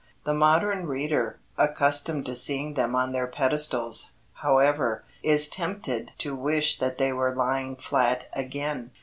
The modern reader, accustomed to seeing them on their pedestals, however, is tempted to wish that they were lying flat again.